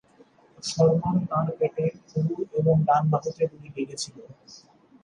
শর্মার তাঁর পেটে, উরুর এবং ডান বাহুতে গুলি লেগেছিল।